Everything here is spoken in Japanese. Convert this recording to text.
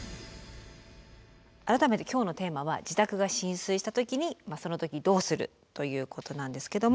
改めて今日のテーマは「自宅が浸水した時にその時どうする？」ということなんですけども。